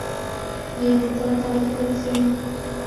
یہ عزت اللہ تعالی کی طرف سے ملی۔